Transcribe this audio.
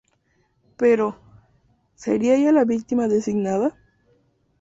Pero, ¿sería ella la víctima designada?